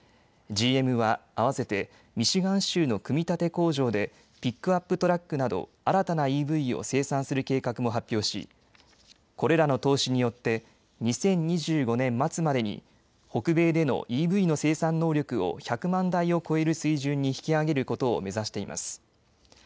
ＧＭは合わせてミシガン州の組み立て工場でピックアップトラックなど新たなＥＶを生産する計画も発表しこれらの投資によって２０２５年末までに北米でのＥＶの生産能力を１００万台を超える水準に引き上げることを目指しています。